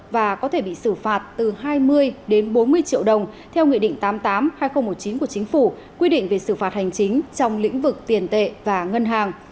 và có thể bị xử phạt từ hai mươi đến bốn mươi triệu đồng theo nghị định tám mươi tám hai nghìn một mươi chín của chính phủ quy định về xử phạt hành chính trong lĩnh vực tiền tệ và ngân hàng